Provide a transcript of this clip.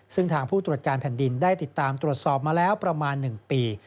ซึ่งทางผู้ตรวจการแผ่นดินได้ติดตามตรวจสอบมาแล้วประมาณ๑ปี